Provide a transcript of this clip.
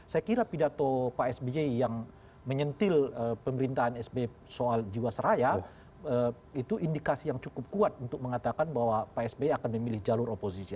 saya kira pidato pak sby yang menyentil pemerintahan sby soal jiwasraya itu indikasi yang cukup kuat untuk mengatakan bahwa pak sby akan memilih jalur oposisi